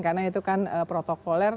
karena itu kan protokoler